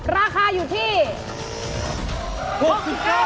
ราคาอยู่ที่๖๙บาท